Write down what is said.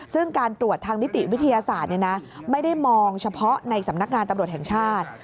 ซึ่งการตรวจทางนิติวิทยาศาสตร์ไม่ได้มองเฉพาะในสำนักงานตำรวจแห่งชาติ